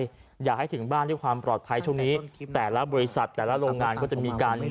อยากให้ถึงบ้านด้วยความปลอดภัยช่วงนี้แต่ละบริษัทแต่ละโรงงานก็จะมีการ